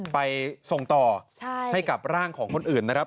ไปส่งต่อให้กับร่างของคนอื่นนะครับ